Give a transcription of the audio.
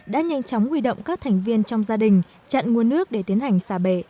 đã nhanh chóng huy động các thành viên trong gia đình chặn nguồn nước để tiến hành xả bể